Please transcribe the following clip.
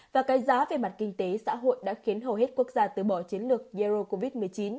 và cái giá về mặt kinh tế xã hội đã khiến hầu hết quốc gia tứ bỏ chiến lược zero covid một mươi chín